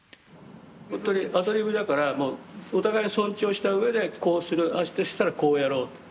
ほんとにアドリブだからお互い尊重した上でこうするああしたらこうやろうと。